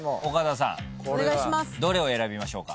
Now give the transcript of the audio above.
これはどれを選びましょうか？